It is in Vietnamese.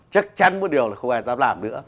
chúng ta không dám làm nữa